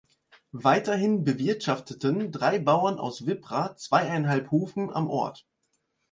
Weiterhin bewirtschafteten drei Bauern aus Wippra zweieinhalb Hufen am Ort.